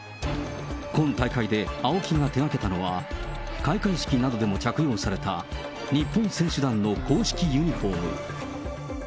今大会でＡＯＫＩが手がけたのは、開会式などでも着用された、日本選手団の公式ユニホーム。